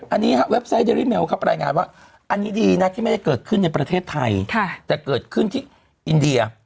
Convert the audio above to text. อันนี้ฮะเว็บไซต์เดรี่เมลครับรายงานว่าอันนี้ดีนะที่ไม่ได้เกิดขึ้นในประเทศไทยแต่เกิดขึ้นที่อินเดีย